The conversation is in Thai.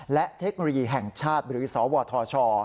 และเทคโนโลยีแห่งชาติหรือสวทช